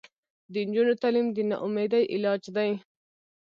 د نجونو تعلیم د ناامیدۍ علاج دی.